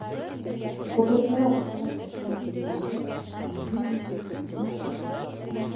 Уҡытыусының ошолай ышаныс белдереүе беҙҙең өсөн ҙур шатлыҡ.